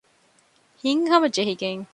ހިތްހަމަ ޖެހިގެން